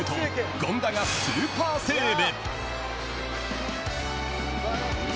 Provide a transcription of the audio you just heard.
権田がスーパーセーブ。